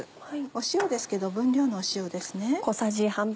塩ですけど分量の塩ですね。